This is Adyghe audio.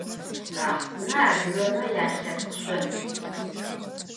Baxhsıme adıgeme yalhepkh şson.